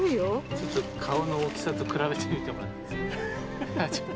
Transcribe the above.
ちょっと顔の大きさと比べてみてもらっていいですか。